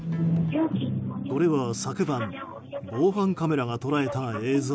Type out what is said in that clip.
これは、昨晩防犯カメラが捉えた映像。